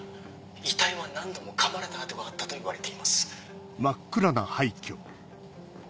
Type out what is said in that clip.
遺体は何度も噛まれた痕があったといわれています。